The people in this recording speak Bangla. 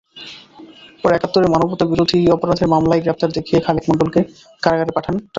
পরে একাত্তরের মানবতাবিরোধী অপরাধের মামলায় গ্রেপ্তার দেখিয়ে খালেক মণ্ডলকে কারাগারে পাঠান ট্রাইব্যুনাল।